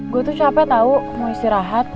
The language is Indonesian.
gue tuh capek tau mau istirahat